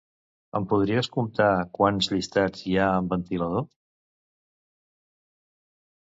Em podries comptar quants llistats hi ha amb ventilador?